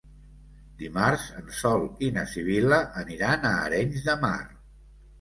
Dimarts en Sol i na Sibil·la aniran a Arenys de Mar.